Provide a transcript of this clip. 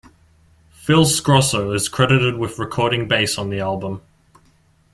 Phil Sgrosso is credited with recording bass on the album.